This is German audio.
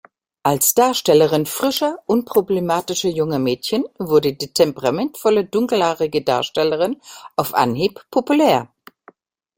Als Darstellerin frischer, unproblematischer junger Mädchen wurde die temperamentvolle dunkelhaarige Darstellerin auf Anhieb populär.